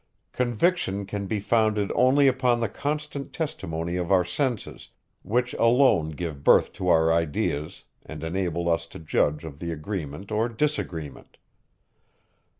Conviction can be founded only upon the constant testimony of our senses, which alone give birth to our ideas, and enable us to judge of their agreement or disagreement.